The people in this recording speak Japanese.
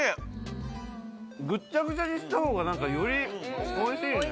ぐっちゃぐちゃにした方が何かよりおいしいね。